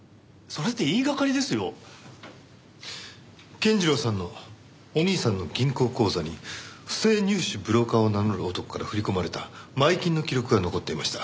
健次郎さんのお兄さんの銀行口座に不正入試ブローカーを名乗る男から振り込まれた前金の記録が残っていました。